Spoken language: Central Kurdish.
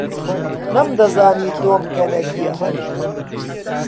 نەمدەزانی تۆم کەنەدییە.